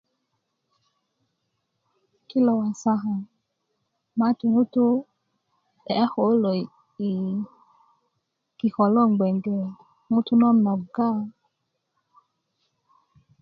kilo wasaka maatu ŋutu' de'ya koo kulo yi yi kiko' loŋ gbeŋge ŋutu' nonogga